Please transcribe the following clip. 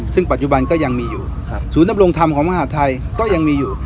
ซึ่งปัจจุบันก็ยังมีอยู่ศูนย์ดำรงธรรมของมหาทัยก็ยังมีอยู่